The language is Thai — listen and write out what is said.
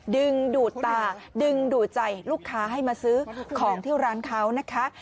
ดึงดูดตาดึงดูดใจลูกค้าให้มาซื้อของที่ร้านเขานะคะ